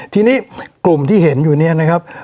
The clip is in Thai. ทีนี้กลุ่มที่เห็นอยู่เนี่ยนะครับ